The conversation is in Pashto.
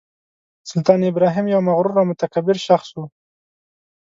سلطان ابراهیم یو مغرور او متکبر شخص و.